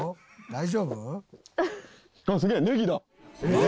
大丈夫？」